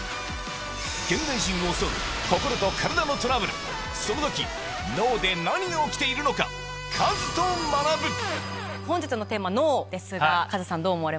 現代人を襲う心と体のトラブルその時脳で何が起きているのかカズと学ぶ本日のテーマ「脳」ですがカズさんどう思われますか？